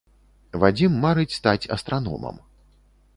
Вадзім марыць стаць астраномам.